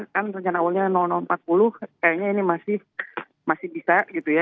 kan rencana awalnya empat puluh kayaknya ini masih bisa gitu ya